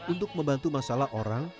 untuk membantu masalah orang